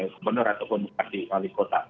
sebenar ataupun di wali kota